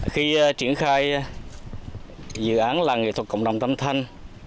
khi triển khai dự án là nghệ thuật cộng đồng tam thanh